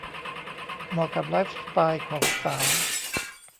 เหมาะกับไลฟ์สไตล์ของสาว